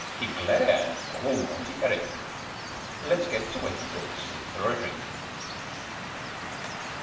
He glared' oh, naughty Eric! Let's get to where he goes in for drink."